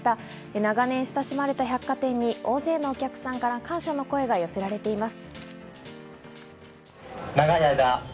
長年、親しまれた百貨店に大勢のお客さんから感謝の声が寄せられています。